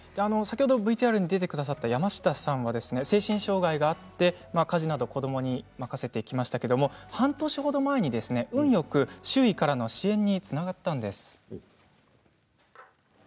先ほどＶＴＲに出てくださった山下さんは精神障害があって家事などを子どもに任せてきましたけれど半年ほど前に運よく周囲からの支援につながったんです。